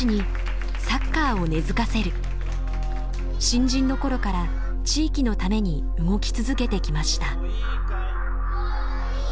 新人の頃から地域のために動き続けてきました。